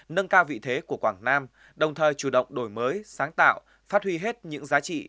nâng cao vị thế của quảng nam đồng thời chủ động đổi mới sáng tạo phát huy hết những giá trị